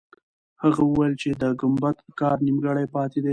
هغه وویل چې د ګمبد کار نیمګړی پاتې دی.